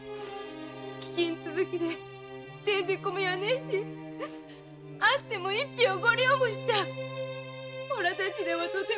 飢饉続きでてんで米はねぇしあっても一俵で五両もしちゃおらたちではとても。